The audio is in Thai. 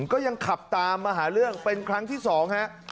ก็ยังขับตามมาหาเรื่องเป็นครั้งที่๒ฮะ